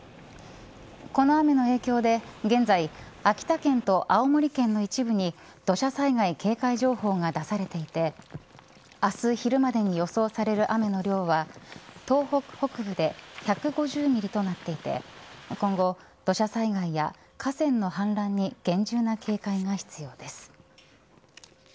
この雨の影響で現在秋田県と青森県の一部に土砂災害警戒情報が出されていて明日昼までに予想される雨の量は東北北部で１５０ｍｍとなっていて今後、土砂災害や河川の氾濫に厳重な警戒が必要です。